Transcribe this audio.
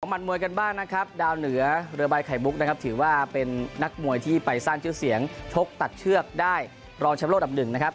มันมวยกันบ้างนะครับดาวเหนือเรือใบไข่มุกนะครับถือว่าเป็นนักมวยที่ไปสร้างชื่อเสียงชกตัดเชือกได้รองชำโลกดับหนึ่งนะครับ